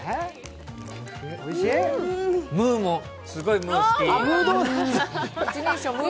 ムーも、すごいムー好き。